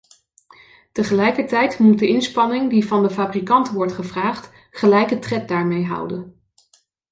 Tegelijkertijd moet de inspanning die van de fabrikanten wordt gevraagd gelijke tred daarmee houden.